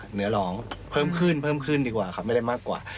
เหนือร้องเพิ่มขึ้นดีกว่าค่ะไม่ได้มากกว่า